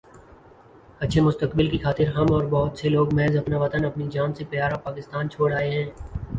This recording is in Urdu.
اچھے مستقبل کی خاطر ہم اور بہت سے لوگ محض اپنا وطن اپنی جان سے پیا را پاکستان چھوڑ آئے ہیں